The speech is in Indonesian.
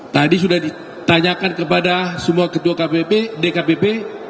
tadi sudah ditanyakan kepada semua ketua kpp dkpp